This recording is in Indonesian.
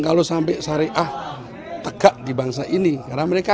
kalau syariah tegak